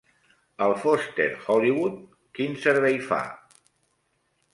El Foster Hollywood quin servei fa?